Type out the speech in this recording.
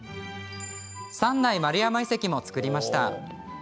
三内丸山遺跡も作りました。